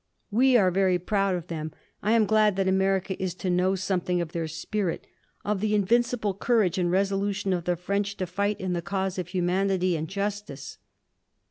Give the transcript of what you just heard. We are very proud of them. I am glad that America is to know something of their spirit, of the invincible courage and resolution of the French to fight in the cause of humanity and justice."